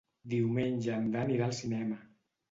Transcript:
Diumenge en Dan irà al cinema.